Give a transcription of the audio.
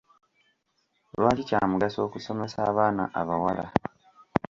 Lwaki kya mugaso okusomesa abaana abawala?